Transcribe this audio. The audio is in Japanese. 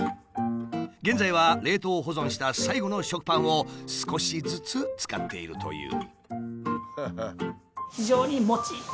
現在は冷凍保存した最後の食パンを少しずつ使っているという。